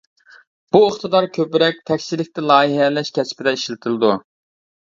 بۇ ئىقتىدار كۆپرەك تەكشىلىكتە لايىھەلەش كەسپىدە ئىشلىتىلىدۇ.